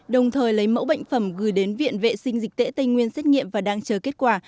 đồng thời lấy mẫu bệnh phẩm gửi đến viện vệ sinh dịch tễ tây nguyên xét nghiệm và đang chờ kết quả